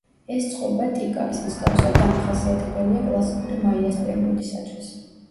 ეს წყობა, ტიკალის მსგავსად, დამახასიათებელია კლასიკური მაიას პერიოდისათვის.